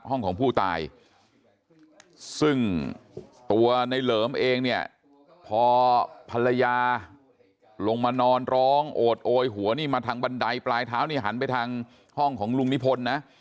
ของผู้ตายซึ่งตัวในเหลิมเองเนี่ยพอภรรยาลงมานอนร้องโอดโอยหัวนี่มาทางบันไดปลายเท้านี่หันไปทางห้องของลุงนิพนธ์นะ